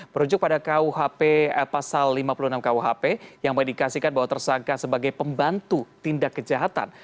berujuk pada kuhp pasal lima puluh enam kuhp yang mengindikasikan bahwa tersangka sebagai pembantu tindak kejahatan